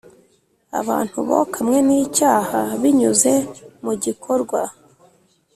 abantu bokamwe n’icyaha, binyuze mu gikorwa